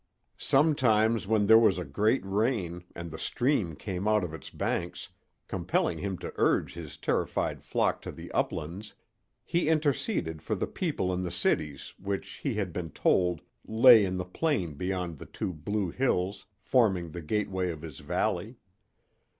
Sometimes when there was a great rain, and the stream came out of its banks, compelling him to urge his terrified flock to the uplands, he interceded for the people in the cities which he had been told lay in the plain beyond the two blue hills forming the gateway of his valley.